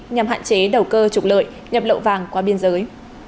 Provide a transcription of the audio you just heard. nhằm hạn chế đầu cơ trục lợi nhập lậu vàng qua biên giới